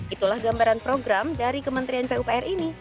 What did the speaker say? itulah gambaran program dari kementerian pupr ini